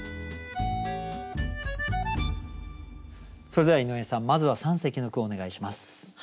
それでは井上さんまずは三席の句をお願いします。